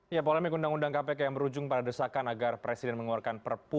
ya polemik undang undang kpk yang berujung pada desakan agar presiden mengeluarkan perpu